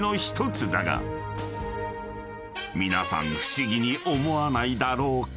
［皆さん不思議に思わないだろうか？］